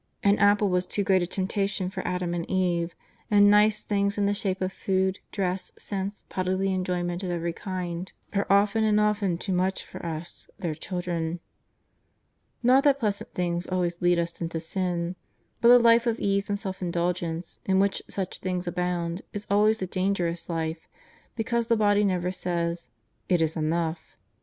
An apple was too great a temptation for Adam and Eve, and nice things in the shape of food, dress, scents, bodily enjoyment of every kind, are often and often too much for us, their children. Kot that pleasant things always lead us into sin. But a life of ease and self indulgence, in which such things abound, is always a dangerous life, because the body never says :" It is enough.'